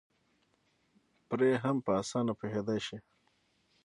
پرې هم په اسانه پوهېدی شي